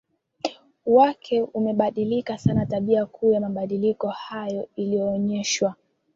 wake umebadilika sana Tabia kuu ya mabadiliko haya ilionyeshwa